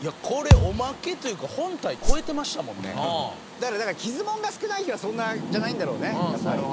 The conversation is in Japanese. だから傷ものが少ない日はそんなじゃないんだろうねやっぱり。